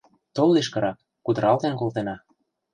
Тол лишкырак, кутыралтен колтена.